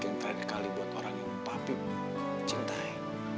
yang terdekali buat orang yang papi mencintai